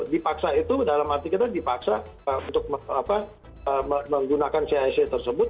dipaksa itu dalam arti kita dipaksa untuk menggunakan cisa tersebut